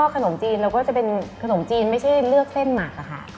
ขนมจีนไม่ใช่เลือกเส้นหมักอะค่ะ